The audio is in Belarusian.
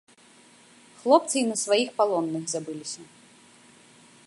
Хлопцы й на сваіх палонных забыліся.